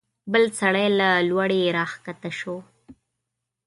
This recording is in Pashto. بل سړی له لوړې راکښته شو.